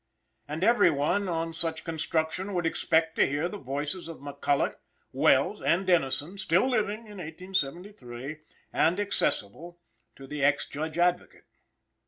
And every one, on such construction, would expect to hear the voices of McCulloch, Welles and Dennison, still living in 1873, and accessible to the ex Judge Advocate.